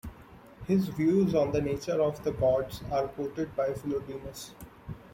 His views on the nature of the gods are quoted by Philodemus.